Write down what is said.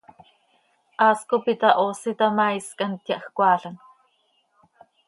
Haas cop itahooseta ma, is quih hant yahjcoaalam.